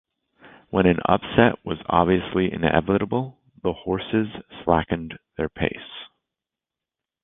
When an upset was obviously inevitable, the horses slackened their pace.